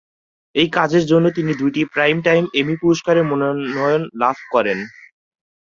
এই কাজের জন্য তিনি দুটি প্রাইমটাইম এমি পুরস্কারের মনোনয়ন লাভ করেন।